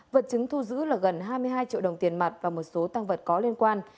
vật chứng thu giữ là gần hai mươi hai triệu đồng tiền mặt và một số tăng vật có liên quan